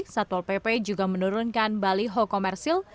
satpol pp juga menurunkan baliho komersil